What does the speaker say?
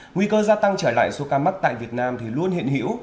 nguy cơ gia tăng trở lại số ca mắc tại việt nam thì luôn hiện hữu